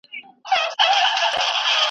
دا سل ځله رژېدلی خزانونو آزمېیلی .